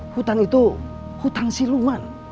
hutan itu hutan siluman